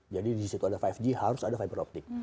jadi disitu ada lima g harus ada fiberoptik